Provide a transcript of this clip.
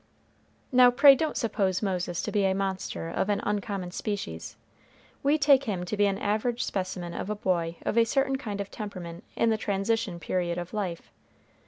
Now pray don't suppose Moses to be a monster of an uncommon species. We take him to be an average specimen of a boy of a certain kind of temperament in the transition period of life.